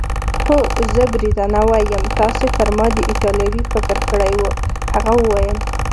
هو، زه بریتانوی یم، تاسي پر ما د ایټالوي فکر کړی وو؟ هغه وویل.